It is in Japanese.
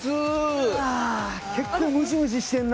結構ムシムシしてんな。